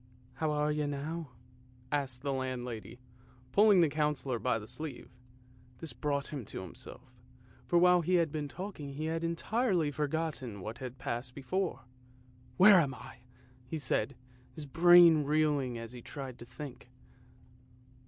" How are you now? " asked the landlady, pulling the Councillor by the sleeve. This brought him to himself, for while he had been talking he had entirely forgotten what had passed before. " Where am I? " he said, his brain reeling as he tried to think.